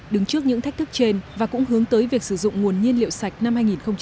đứng trước những thách thức trên và cũng hướng tới việc sử dụng nguồn nhiên liệu sạch năm hai nghìn hai mươi